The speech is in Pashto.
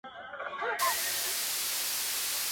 د مېړه سيالي کوه، د بخته ئې مه کوه.